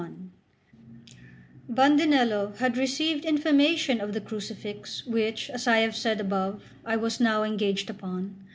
CI BANDINELLO had received information of the crucifix which, as I have said above, I was now engaged upon.